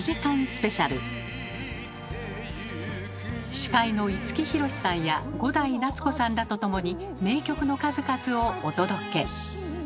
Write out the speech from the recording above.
司会の五木ひろしさんや伍代夏子さんらと共に名曲の数々をお届け。